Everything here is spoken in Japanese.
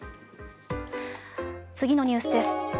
次のニュースです。